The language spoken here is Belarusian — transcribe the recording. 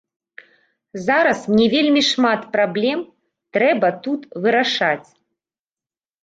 Зараз мне вельмі шмат праблем трэба тут вырашаць.